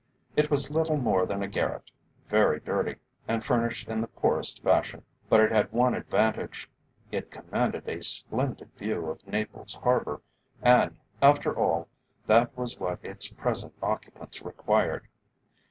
It was little more than a garret, very dirty, and furnished in the poorest fashion. But it had one advantage: it commanded a splendid view of Naples Harbour, and, after all, that was what its present occupants required.